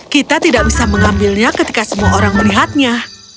kita tidak bisa mengambilnya ketika semua orang melihatnya